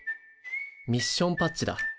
ミッションパッチだ。